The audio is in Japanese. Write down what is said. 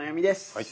はい。